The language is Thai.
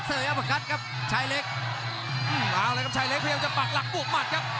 เสยร์ยับประคัตครับชายเล็กเอาแล้วครับชายเล็กพยายามจะปักหลักบวกมัดครับ